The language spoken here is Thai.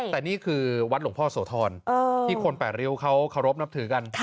แต่นี่คือวัดหลวงพ่อโสธรที่คนแปดริ้วเขาเคารพนับถือกัน